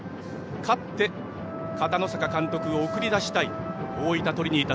勝って片野坂監督を送り出したい大分トリニータ。